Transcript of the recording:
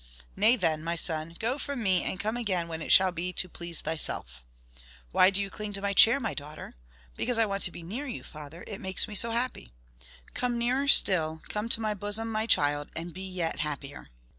'Nay then, my son! go from me, and come again when it shall be to please thyself.' 'Why do you cling to my chair, my daughter? 'Because I want to be near you, father. It makes me so happy!' 'Come nearer still come to my bosom, my child, and be yet happier.